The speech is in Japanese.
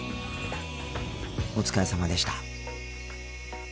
お疲れさまでした。